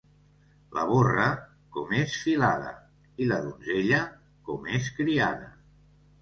La borra, com és filada, i la donzella, com és criada.